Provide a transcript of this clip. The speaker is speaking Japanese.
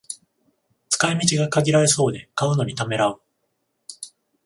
使い道が限られそうで買うのにためらう